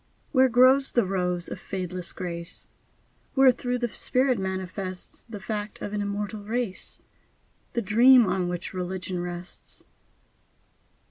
Where grows the rose of fadeless Grace? Wherethrough the Spirit manifests The fact of an immortal race, The dream on which religion rests.